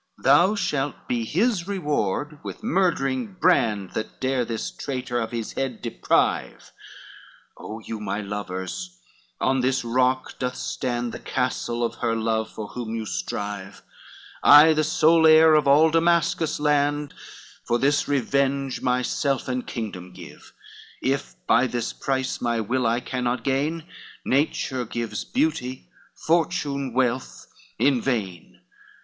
LXV "Thou shalt be his reward, with murdering brand That dare this traitor of his head deprive, O you my lovers, on this rock doth stand The castle of her love for whom you strive, I, the sole heir of all Damascus land, For this revenge myself and kingdom give, If by this price my will I cannot gain, Nature gives beauty; fortune, wealth in vain.